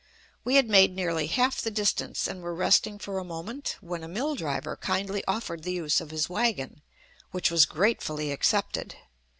We had made nearly half the distance, and were resting for a moment, when a mill driver kindly offered the use of his wagon, which was gratefully accepted.